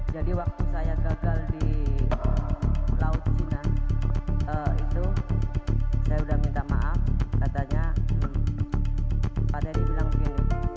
waktu saya gagal di laut cina itu saya sudah minta maaf katanya pak dedy bilang begini